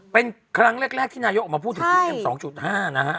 เป็นครั้งแรกที่นายกออกมาพูดถึงเกม๒๕นะฮะ